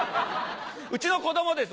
うちの子供です